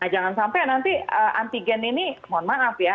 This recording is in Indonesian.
nah jangan sampai nanti antigen ini mohon maaf ya